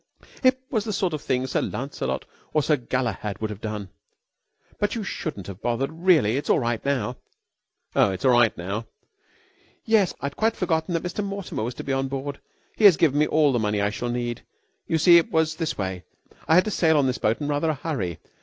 "It was the sort of thing Sir Lancelot or Sir Galahad would have done! But you shouldn't have bothered, really! It's all right now." "Oh, it's all right now?" "Yes. I'd quite forgotten that Mr. Mortimer was to be on board. He has given me all the money I shall need. You see it was this way. I had to sail on this boat in rather a hurry.